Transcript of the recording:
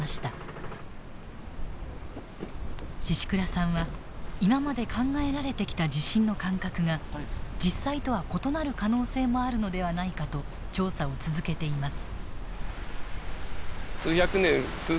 宍倉さんは今まで考えられてきた地震の間隔が実際とは異なる可能性もあるのではないかと調査を続けています。